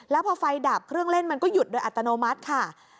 แล้วพอไฟดับเครื่องเล่นมันก็หยุดโดยอัตโนมัติค่ะ